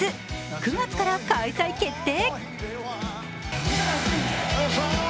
９月から開催決定。